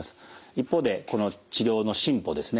一方でこの治療の進歩ですね